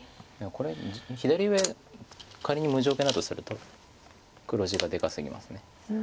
これ左上仮に無条件だとすると黒地がでかすぎます。